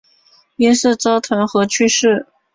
因事遭弹劾去世。